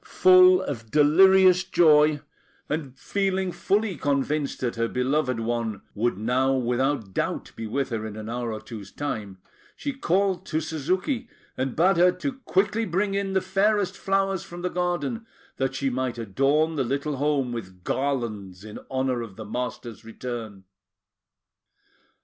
Full of delirious joy, and feeling fully convinced that her beloved one would now without doubt be with her in an hour or two's time, she called to Suzuki, and bade her to quickly bring in the fairest flowers from the garden, that she might adorn the little home with garlands in honour of the master's return.